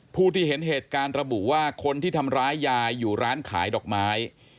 ผู้ที่เห็นเหตุการณ์ระบุว่าคนที่ทำร้ายยายอยู่ร้านขายดอกไม้